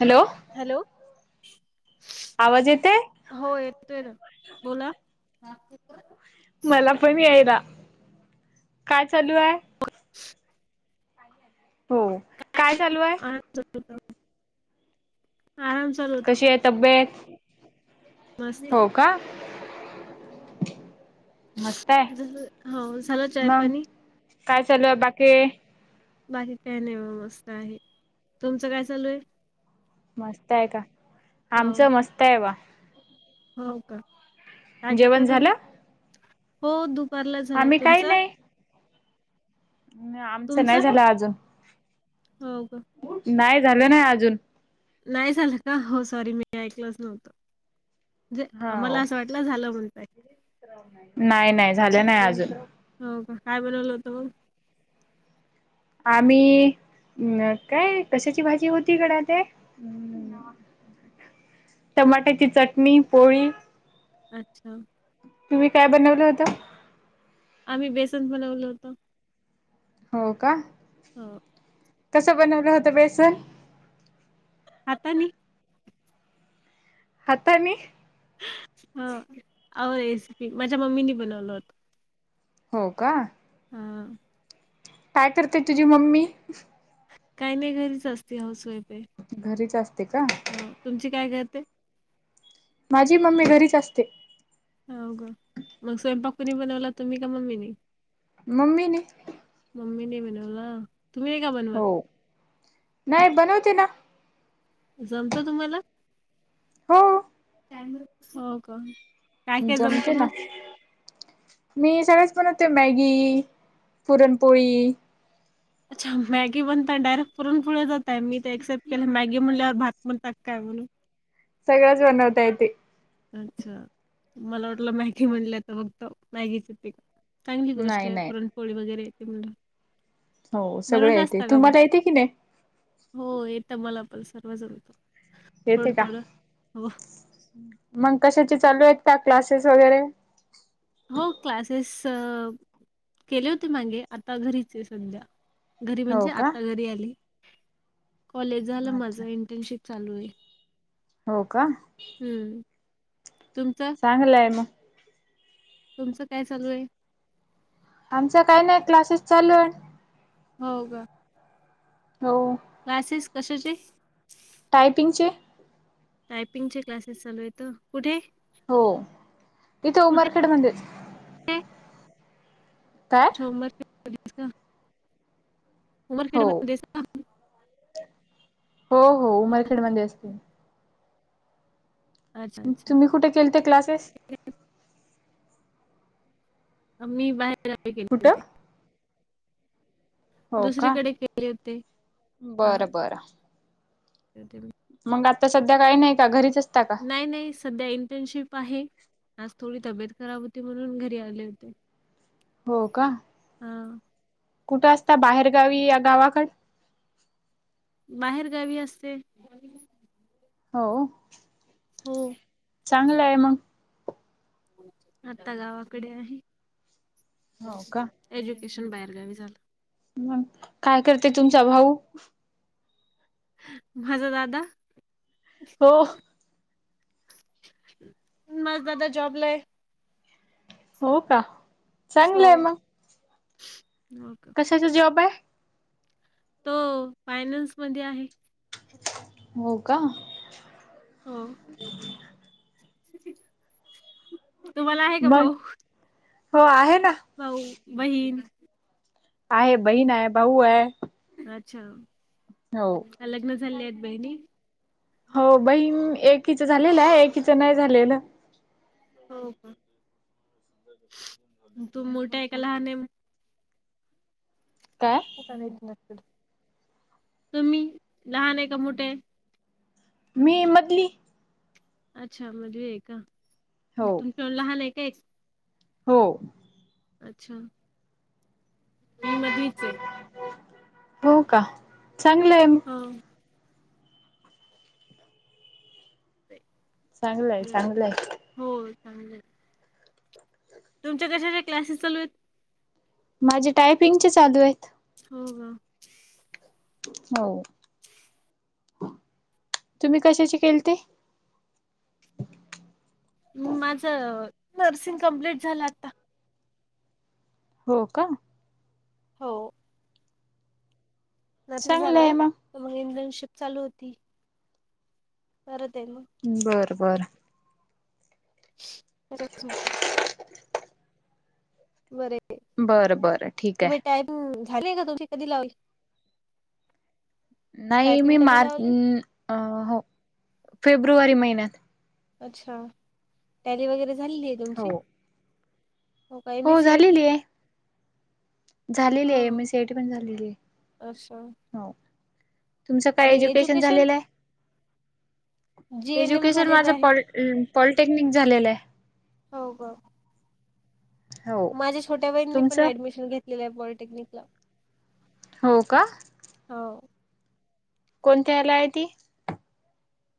Hello. Hello. आवाज येतेय? हो येतोय ना बोला. मला पण यायला, काय चालू आहे? [unintelligible] हो. काय चालू आहे? [unintelligible] आराम. चालू होता कशी आहे तब्येत? मस्त. हो का? मस्त आहे हो. झालं चाय मग पाणी? काय चालू हाय बाकी? बाकी काही नाही बाबा मस्त आहे. तुमचं काय चालू आहे? मस्त आहे का? हो आमचं मस्त आहे बुवा. हो का, काय जेवण करता झालं तुम्ही? हो दुपारला झालं‌ आम्ही काही तुमचं? नाही आमचं नाही तुमचं झालं अजून. हो का? नाही झालं नाही अजून. नाही झालं का? हो सॉरी मी ऐकलंच नव्हतं. म्हणजे हो मला असं वाटलं झालं म्हणताय. नाही नाही झालं नाही अजून हो का, काय बनवलं होत मग? आम्ही अ काय कशाची भाजी होती गड्या ते? अं टमाट्याची चटणी, पोळी. अच्छा. तुम्ही काय बनवलं होतं? आम्ही बेसन बनवल होतं. हो का? हो. कसं बनवलं होतं बेसन? हातानी. हातानी. आहो रेसिपी, माझ्या मम्मीनी बनवलं होतं. हो का? हा. काय करते तुझी मम्मी? काही नाही घरीचं असते, हाऊस वाईफ आहे. घरीच असते का. हो. तुमची काय करते? माझी मम्मी घरीच असते. हाव का मग स्वयंपाक कोणी बनवला तुम्ही का मम्मीनी. मम्मीनी मम्मीनी बनवला तुम्ही नाय का बनवतं? नाय बनवते ना जमत तुम्हाला हो. हो का. काय काय जमते जमतं ना. मग? मी सगळेच बनवते मॅगी, पुरणपोळी अच्छा मॅगी म्हणताय डायरेक्ट पुरणपोळीवर जाताय मी ते एक्सेप्ट केलं मॅगी म्हणल्यावर भात म्हणतात का काय म्हणून सगळंच बनवता येते. अच्छा मला वाटलं मॅगी म्हणल्या त फक्त मॅगीच येते का? चांगली गोष्ट नाही ये नाही पुरणपोळी वगैरे येते बोल्यावर हो सगळं बनवतं येते. असता का मग तुम्हाला येते की नाही? हो येतं मला पण सर्व जमत. येते का मंग कशाचे चालू आहेत का क्लासेस वगैरे. हो क्लासेस केले होते मांगे आता घरीच ये सध्या घरी हो म्हणजे का? आता घरी आली कॉलेज झाल माझ अच्छा इंटर्नशिप चालू आहे. हो का हूं तुमचं चांगलंय मग तुमचं काय चालूय. आमचा काय नाय क्लासेस चालूय. हो का हो. क्लासेस कशाचे? टायपिंगचे टायपिंग चे क्लासेस चालू येतं, कुठे? हो इथे कुठे उमरखेडमध्येचं काय? उम मर खेड म उमरखेड हो मध्येच का हो हो उमरखेडमध्ये असते. अच्छा मग अच्छा तुम्ही कुठे केलते क्लासेस आ मी बाहेर गावी केलते कुठं होते. हो का दुसरीकडे केले होते हा बरं मंग आता सध्या काय नाय का घरीच असं नाय नाय सध्या इंटर्नशिप आहे आज थोडी तब्येत खराब होती म्हणून घरी आले होते. हो का हा कुठं असता बाहेरगावी या गावाकड बाहेर गावी असते. हो. हो. चांगलंय मग आता गावाकडे आहे हो का एज्युकेशन बाहेरगावी झालं. मंग काय करते तुमचा भाऊ माझा दादा हो. माझ दादा जॉबलाय. हो का. चांगलं आहे होक मग [unintelligible] कशाचा जाँब हाय? तो फायनान्स मधे आहे. हो का? हो. तुम्हाला आहे का मग भाऊ? हो आहे ना. भाऊ, बहीण. आहे, बहीण आहे, भाऊ आहे. अच्छा, हो. लग्न झाले आहेत बहिणी? हो बहीण एकीच झालेलं आहे एकीचं नाही झालेलं. हो का, तू मोठा आहे का लहान? काय? तुम्ही लहान आहे का मोठे आहे? मी मधली. अच्छा मधली आहे का, हो. तुमच्या लहान आहे का एक- हो. अच्छा. मी मधवीच आहे. हो का, चांगलंय मग. हां [inaudible] चांगलं आहे चांगलं आहे. हो चांगलं- [unintelligible] तुमच्या कशाचे क्लासेस चालू आहेत? माझे टायपिंगचे चालू आहेत. हो हो. हो. तुम्ही कशाची केलते? माझं नर्सिंग कम्प्लीट झालं आता. हो का? हो. नर्सिंग चांगलं आहे झालं, तर मग इंटर्नशिप चालू होती. करतेे म- बरं. बरं. त्याच्या [unintelligible] ह [inaudible] बर बरं बरं ठीक तुम्ही आहे टाइम झाले का तुमही कधी लावल [unintelligible] नाही टायपिंग मी कधी मार लावली न. अ. हो, फेब्रुवारी महिन्यात. अच्छा, टँली वगैरे झालेली आहे तुमची? हो. हो का, एमएससीआयटी? झालेली आहे झालेली आहे, एमसीआयटी पण झालेली आहे, अच्छा हो. तुमचं काय एज्युकेशन झालेलं आहे? जी एन एम एज्युकेशन झालेलं माझं आहे प- पॉलिटेक्निक झालेलं आहे. हो का? हो माझ्या छोट्या बहीनीनी पण तुमचं? ऍडमिशन घेतलेलं आहे, पॉलिटेक्निकला. हो का? हो. कोणत्यालाय ती?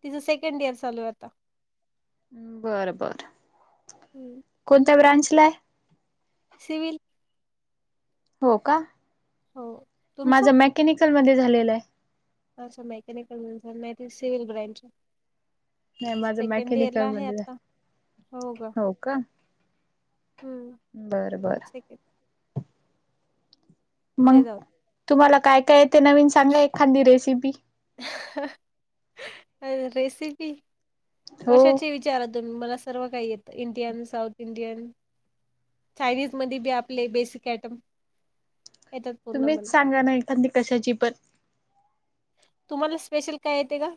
तिचं सेकंड इयर चालू आहे आता. बरं. बर. हं. कोणत्या ब्रांच ला आहे? सिवल. हो का हो तुमचं? माझं मॅकॅनिकल मध्ये झालेलं आहे. असं मेकॅनिकल मा सिव्हल ब्रँच नाही माझं सेकंड इयर ला मेकॅनिकल आहे मध्ये आता झालं हो ग. का. हम्म. बरं बर. ठीक आहे. मग ते जाऊन तुम्हाला काय काय आहे ते नवीन सांगलं एखादी रेसिपी. अ रेसिपी हो कशाची वि. विचारा तुम् मला सर्व काही येतं इंडियन साऊथ इंडियन. चायनीज मध्ये बी आपले बेसिक आयटम. येतात पूर्ण तुम्हीच मला सांगा ना एखादी कशाची पण. तुम्हाला स्पेशल काय येते का.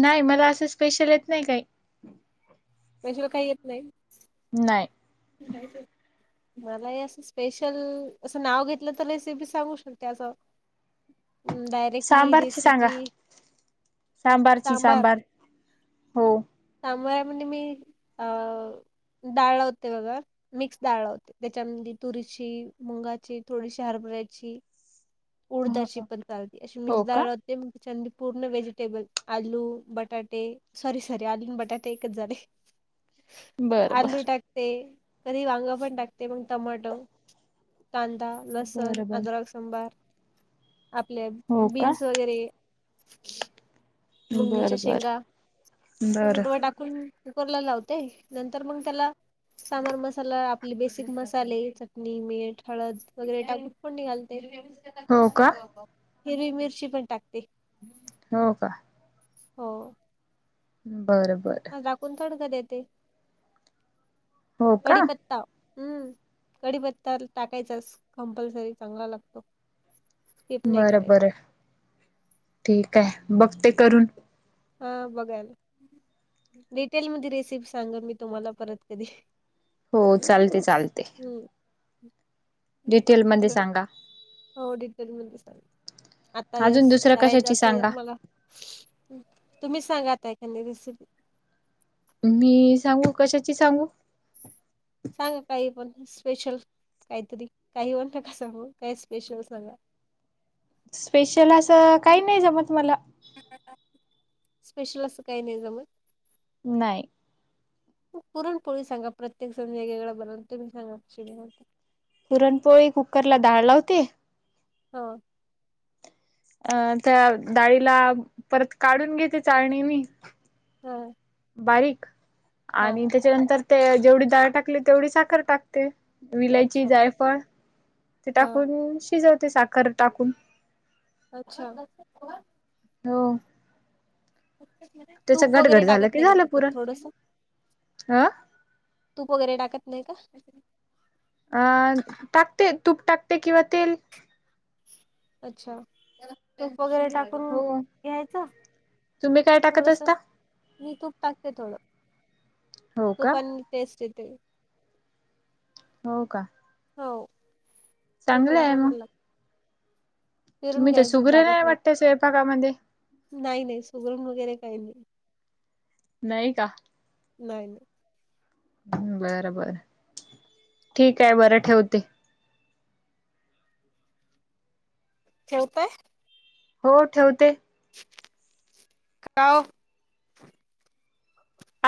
नाही मला असं स्पेशल येत नाही काही. त्याशवर काही येत नाही. नाही. बच. मला हे असं स्पेशल असं नाव घेतलं तर रेसिपी सांगू शकते असं. हम्. डायरेक्टली सांबारची सांगा रेसिपी सांबारची सांबार हो. सामोार म्हण मी अ डाळला होते बघा. मिक्स डाळ होते त्याच्यामध्ये तुरीची मुंगाची थोडीशी हरभऱ्याची. उडदरशी ह पण चालते अशी हो मिक्स का डाळ. ते चांंद पूर्ण वेजिटेबल आलू बटाटे सॉरी. आल बटाटे एकच झाले बर बर आलू टा. ते कधी वांग पण टाकते मग टमाटो. कांदा लसण बरं बर अदरक सबार. आपले हो का बीन्स वगैरे. बर मुंगणीच्या बर शेंगा बर तुम्हालाा. कून कुकरला लावते नंतर मग त्याला. सामर मसाला आपले बेसिक मसाले चटणी मीठ हळद वगैरे टाकून. पण निघालतेरा हो का हिरवी मिरची पण टाकते. हो का. हो. बरं बरं. राखून थोडक देते हो का कडीपत्ता. हम्म कढीपत्ता टाकायचाच कमपलसरी चांगला लागतो. स्किप नाही बर करायचा. बर ठीक आहे बघते करून. हा बघाल. डिटेल म रेसिपी सांगा मी तुम्हाला परत कधी. हो चालते चालते. हम्म डिटेल म सांगा. हो डिटेल मध्ये सांग आता ज अजून दुसरं करायचं कशाची असलं तर सांगा मला. तुम्ही सांगात एखादी रेसिपी. मी सांगू कशाची सांगू. सांगा काही पण स्पेशल. काहीतरी काही होण नका सांगू काय स्पेशल सांगा. स्पेशल असं काही नाही जमत मला. स्पेशल असं काही नाही जमत. नाही. पुरण पोळी सांगा प्रत्येक जण वेगवेगळे बनल तुम्ही सांगा कशी बनवते. पुरणपोळी कुकरला डाळ लावते. हा अं त्या डाळीला परत काढून घेते चाळणीनी हो बारीक आणि त्याच्यानंतर ते जेवढी दाळ टाकली तेवढी साखर टाक ते विलायची अच्छा जायफळ ते हा टाकून शिजवते साखर टाकून अच्छा. हो त्याच तूप घटघट वगैरे झालं टाकत की नाही का झालं तसत पुरण. थोडस. अ तूप वगैरे टाकत नाही का? अ टाकते तूप टाकते किंवा तेल अच्छा वगैरे टाक पण हो. घ्यायचं तुम्ही काय टाकत थोडस असता? मी तूप टाकते थोडं हो का तूपनी टेस्ट येते. हो का हो तो चांगलं पण आहे मग. चांगलला. तुम्ही तर सुगरण लागत आहे नाही वाटते स्वयपाक मध्ये नाही नाही सुगरण वगैरे काही नाही. नाही का. नाही नाही. बरबर ठीक आहे बरं ठेवते. ठेवते. हो ठेवते. हॅलो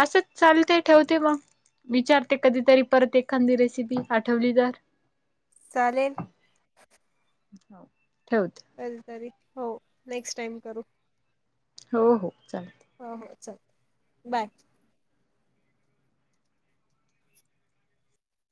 असंच चालते ठेवते मग विचारते कधीतरी परत एखादी रेसिपी आठवली तर चालेल. हो ठेवते. कल तरी हो नेक्स्ट टाइम करू. हो हो चालेल. हो हो चालत बाय.